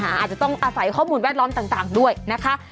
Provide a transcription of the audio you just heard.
อาจจะต้องอาศัยข้อมูลแวดล้อมต่างด้วยนะคะ